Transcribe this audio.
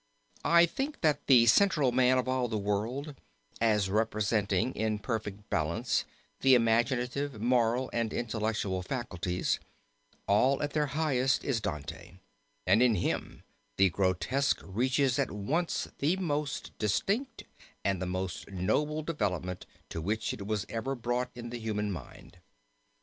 I think that the central man of all the world, as representing in perfect balance the imaginative, moral and intellectual faculties, all at their highest is Dante; and in him the grotesque reaches at once the most distinct and the most noble development to which it was ever brought in the human mind.